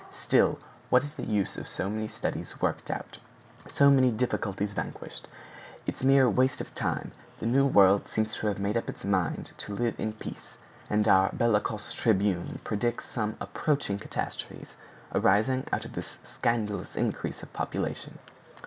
"Still, what is the use of so many studies worked out, so many difficulties vanquished? It's mere waste of time! The New World seems to have made up its mind to live in peace; and our bellicose Tribune predicts some approaching catastrophes arising out of this scandalous increase of population."